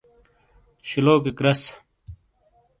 شیلوکیک رس